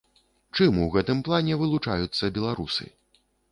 Чым у гэтым плане вылучаюцца беларусы?